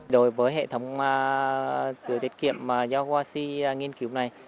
đối với hệ thống tưới tiết kiệm do hoa si nghiên cứu này